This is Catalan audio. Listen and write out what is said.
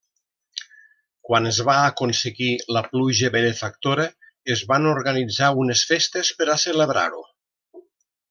Quan es va aconseguir la pluja benefactora es van organitzar unes festes per a celebrar-ho.